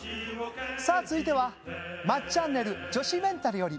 さあ続いては『まっちゃんねる女子メンタル』より。